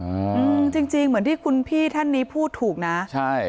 อืมจริงจริงเหมือนที่คุณพี่ท่านนี้พูดถูกนะใช่